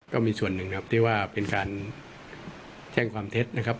ก็มีส่วนหนึ่งครับที่ว่าเป็นการแจ้งความเท็จนะครับ